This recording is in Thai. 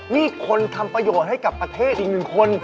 นี่คนทำประโยชน์ให้กับประเทศอีกหนึ่งคน